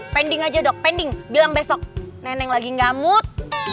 pending aja dok pending bilang besok neneng lagi ngamuk